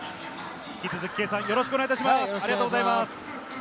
引き続き圭さん、よろしくお願いします。